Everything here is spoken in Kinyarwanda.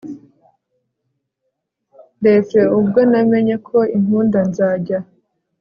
r/ ubwo namenye ko inkunda, nzajya